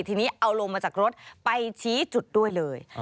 ทีนี้เอาลงมาจากรถไปชี้จุดด้วยเลย